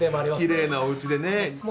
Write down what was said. きれいなおうちでね。